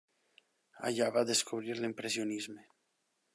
Allà va descobrir l'Impressionisme.